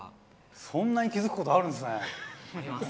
そんなに気付くことあるんですね。あります。